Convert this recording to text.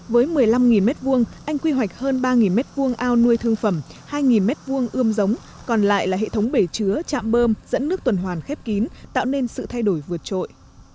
với một mươi năm m hai anh quy hoạch hơn ba m hai ao nuôi thương phẩm hai m hai ươm giống còn lại là hệ thống bể chứa chạm bơm dẫn nước tuần hoàn khép kín tạo nên sự thay đổi vượt trội